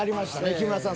木村さん